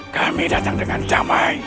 kami datang dengan damai